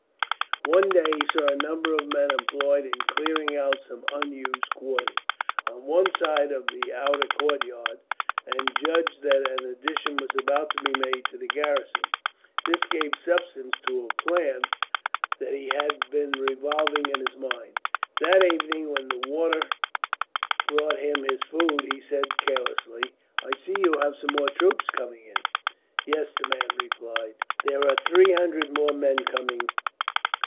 One day he saw a number of men employed in clearing out some unused quarters, on one side of the outer courtyard, and judged that an addition was about to be made to the garrison. This gave substance to a plan that he had been revolving in his mind. That evening, when the warder brought him his food, he said carelessly: "I see you have some more troops coming in." "Yes," the man replied, "there are three hundred more men coming.